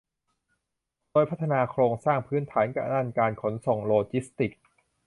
โดยพัฒนาโครงสร้างพื้นฐานด้านการขนส่งโลจิสติกส์